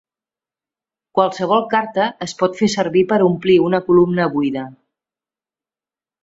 Qualsevol carta es pot fer servir per omplir una columna buida.